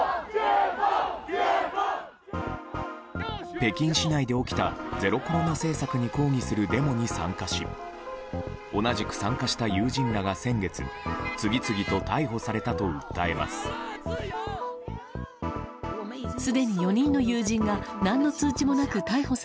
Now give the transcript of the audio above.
北京市内で起きたゼロコロナ政策に抗議するデモに参加し同じく参加した友人らが先月次々と逮捕されたと訴えます。